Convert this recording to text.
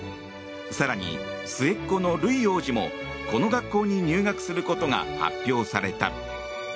更に、末っ子のルイ王子もこの学校に入学することが発表された。